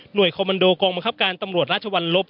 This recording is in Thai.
คอมมันโดกองบังคับการตำรวจราชวรรลบ